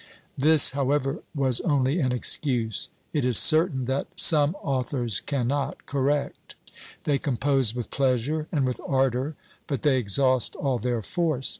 This, however, was only an excuse. "It is certain that some authors cannot correct. They compose with pleasure, and with ardour; but they exhaust all their force.